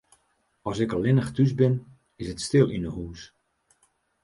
As ik allinnich thús bin, is it stil yn 'e hûs.